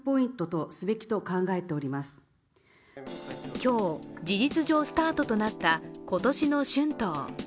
今日、事実上スタートとなった今年の春闘。